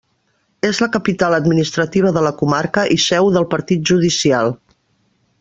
És la capital administrativa de la comarca i seu del partit judicial.